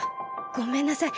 ごめんなさい。